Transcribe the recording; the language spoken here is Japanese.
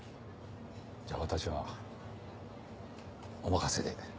じゃあ私はお任せで。